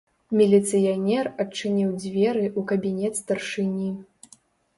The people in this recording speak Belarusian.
Міліцыянер адчыніў дзверы ў кабінет старшыні.